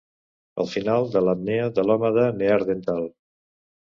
El final de l'apnea de l'home de Neardenthal.